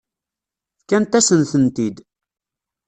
Fkant-asen-tent-id.